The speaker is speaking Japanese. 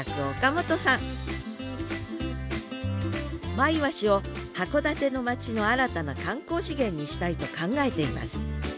マイワシを函館の町の新たな観光資源にしたいと考えています